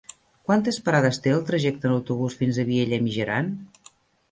Quantes parades té el trajecte en autobús fins a Vielha e Mijaran?